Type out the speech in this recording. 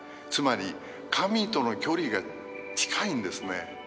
つまり神との距離が近いんですね。